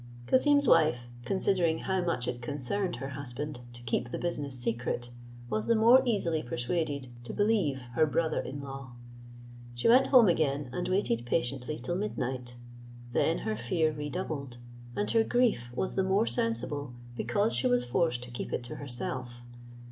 Cassim's wife, considering how much it concerned her husband to keep the business secret, was the more easily persuaded to believe her brother in law. She went home again, and waited patiently till midnight. Then her fear redoubled, and her grief was the more sensible because she was forced to keep it to herself.